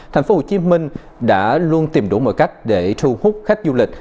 tp hcm đã luôn tìm đủ mọi cách để thu hút khách du lịch